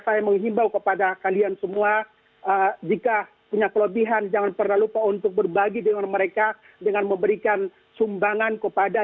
saya menghimbau kepada kalian semua jika punya kelebihan jangan pernah lupa untuk berbagi dengan mereka dengan memberikan sumbangan kepada